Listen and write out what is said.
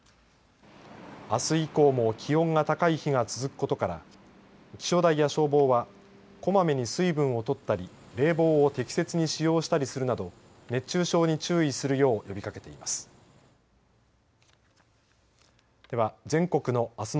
あす以降も気温が高い日が続くことから気象台や消防は小まめに水分をとったり冷房を適切に使用したりするなど熱中症に注意するよう呼びかけています。